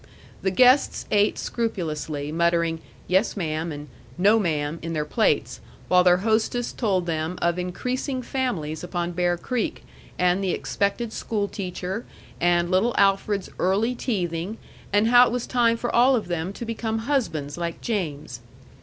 The guests ate scrupulously, muttering, "Yes, ma'am," and "No, ma'am," in their plates, while their hostess told them of increasing families upon Bear Creek, and the expected school teacher, and little Alfred's early teething, and how it was time for all of them to become husbands like James.